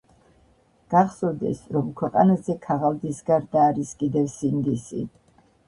გახსოვდეს, რომ ქვეყანაზე ქაღალდის გარდა არის კიდევ სინდისი